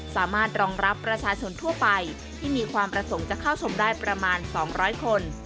สามารถรองรับประชาชนทั่วไปที่มีความประสงค์จะเข้าชมได้ประมาณ๒๐๐คน